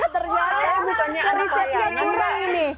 ternyata risetnya kurang ini